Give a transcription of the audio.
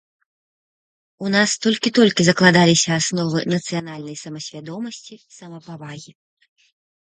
У нас толькі-толькі закладаліся асновы нацыянальнай самасвядомасці, самапавагі.